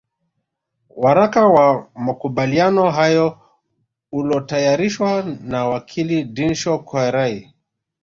Waraka wa makubaliano hayo ulotayarishwa na Wakili Dinshaw Karai